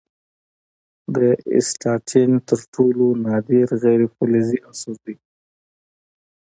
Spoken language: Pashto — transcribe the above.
د اسټاټین تر ټولو نادر غیر فلزي عنصر دی.